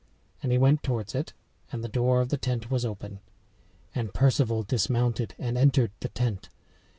And he went towards it; and the door of the tent was open. And Perceval dismounted and entered the tent.